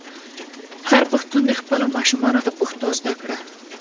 هر پښتون دې خپلو ماشومانو ته پښتو زده کړه.